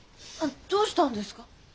どうしたんですか？